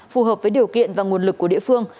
phù hợp với điều kiện và nguồn lực của địa phương